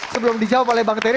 sebelum dijawab oleh bang terry